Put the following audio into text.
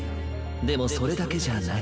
でもそれだけじゃない。